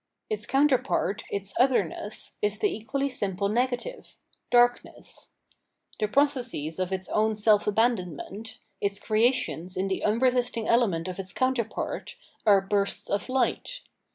Its counterpart, its otherness, is the equally simple negative — Darkness. The processes of its own self abandonment, its creations in the unresisting element of its counterpart, are bursts of Light.